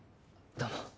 どうも